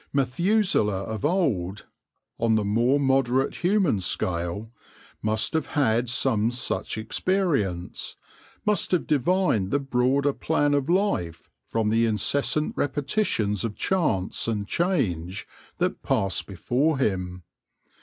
Methuselah of old, on the more moderate human scale, must have had some such experience — must have divined the broader plan of life from the incessant repetitions of chance and change that passed before him.